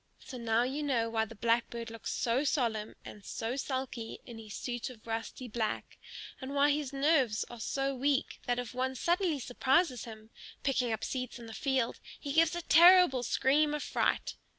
So now you know why the Blackbird looks so solemn and so sulky in his suit of rusty black; and why his nerves are so weak that if one suddenly surprises him, picking up seeds in the field, he gives a terrible scream of fright.